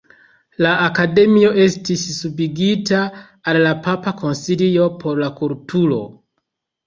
La Akademio estis subigita al la Papa Konsilio por la Kulturo.